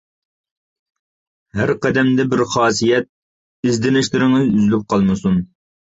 ھەر قەدەمدە بىر خاسىيەت! ئىزدىنىشلىرىڭىز ئۈزۈلۈپ قالمىسۇن!